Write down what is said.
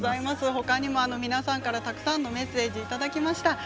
ほかにも皆さんからたくさんのメッセージいただきました。